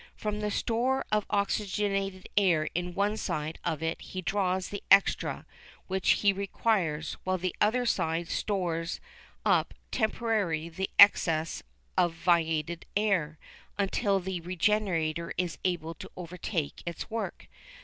From the store of oxygenated air in one side of it he draws the extra which he requires, while the other side stores up temporarily the excess of vitiated air, until the regenerator is able to overtake its work.